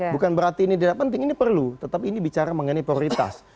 bukan berarti ini tidak penting ini perlu tetapi ini bicara mengenai prioritas